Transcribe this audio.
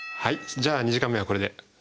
じゃあ２時間目はこれで。